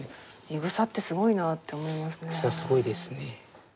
いぐさってすごいなって思いますね。